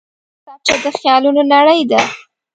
کتابچه د خیالونو نړۍ ده